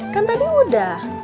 kan tadi udah